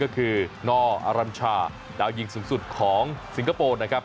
ก็คือนอรัญชาดาวยิงสูงสุดของสิงคโปร์นะครับ